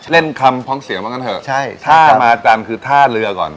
อ๋อเล่นคำพ้องเสียงบ้างกันเถอะใช่ท่ามาจันทร์คือท่าเรือก่อน